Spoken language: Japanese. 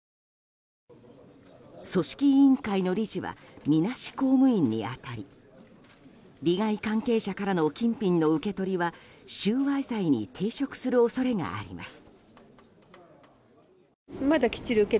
組織委員会の理事はみなし公務員に当たり利害関係者からの金品の受け取りは収賄罪に抵触する恐れがあります。